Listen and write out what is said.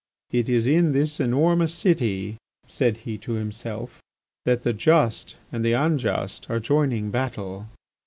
"It is in this enormous city," said he to himself, "that the just and the unjust are joining battle."